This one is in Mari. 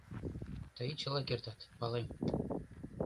Тый чыла кертат, палем.